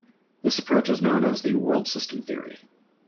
This approach is known as the world-system theory.